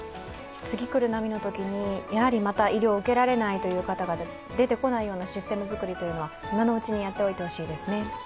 次来る波のときにやはり医療を受けられない人が出てこないシステム作りというのは今のうちにやっておいてほしいですね。